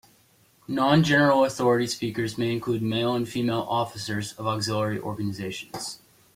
Non-general authority speakers may include male and female officers of auxiliary organizations.